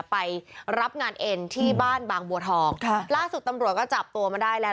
ไปรับงานเอ็นที่บ้านบางบัวทองค่ะล่าสุดตำรวจก็จับตัวมาได้แล้ว